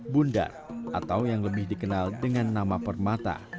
bundar atau yang lebih dikenal dengan nama permata